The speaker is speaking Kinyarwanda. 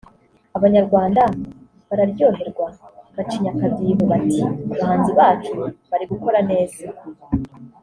abanyarwanda bararyoherwa bacinya akadiho bati “Abahanzi bacu bari gukora neza